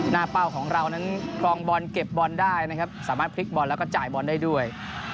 เป้าของเรานั้นกรองบอลเก็บบอลได้นะครับสามารถพลิกบอลแล้วก็จ่ายบอลได้ด้วย